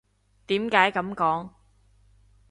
點解噉講？